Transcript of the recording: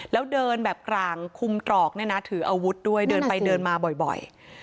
แล้วเดินแบบกลางคุมตรอกเนี่ยนะถืออาวุธด้วยเดินไปเดินมาบ่อย